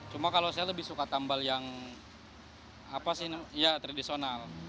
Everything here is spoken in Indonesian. cuma kalau saya lebih suka tambal yang apa sih ya tradisional